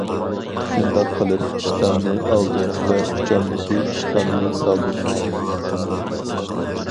شۇنداق قىلىپ ئىشتاننى ئالدىم ۋە ئۇچامدىكى ئىشتاننى سالدىم.